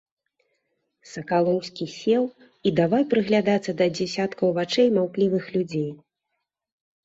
Сакалоўскі сеў і давай прыглядацца да дзесяткаў вачэй маўклівых людзей.